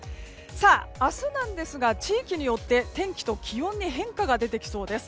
明日なんですが地域によって天気と気温に変化が出てきそうです。